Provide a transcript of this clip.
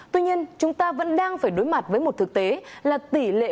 tuy nhiên chúng ta vẫn đang phải đối mặt với một thực tế là tỷ lệ